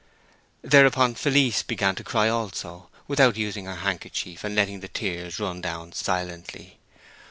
Thereupon Felice began to cry also, without using her handkerchief, and letting the tears run down silently.